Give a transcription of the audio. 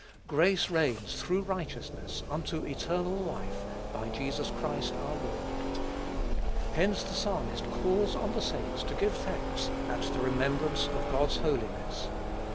"Grace reigns, through righteousness, unto eternal life, by Jesus Christ our Lord." Hence the Psalmist calls on the saints to give thanks at the remembrance of God's holiness.